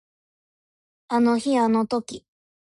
あの日あの時